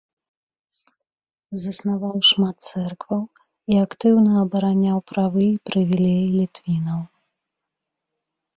Заснаваў шмат цэркваў і актыўна абараняў правы і прывілеі літвінаў.